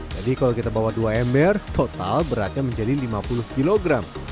jadi kalau kita bawa dua ember total beratnya menjadi lima puluh kg